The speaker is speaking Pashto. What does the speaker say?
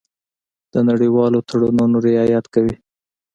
د نړیوالو تړونونو رعایت کوي.